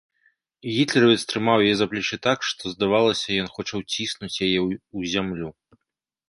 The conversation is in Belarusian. Гітлеравец трымаў яе за плечы так, што здавалася, ён хоча ўціснуць яе ў зямлю.